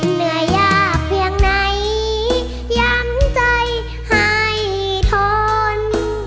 เหนื่อยยากเพียงไหนย้ำใจให้ทน